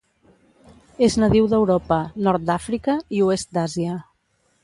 És nadiu d'Europa, nord d'Àfrica i oest d'Àsia.